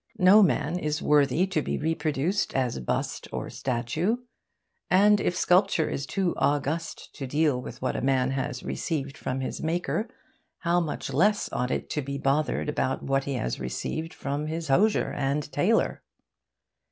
No man is worthy to be reproduced as bust or statue. And if sculpture is too august to deal with what a man has received from his Maker, how much less ought it to be bothered about what he has received from his hosier and tailor!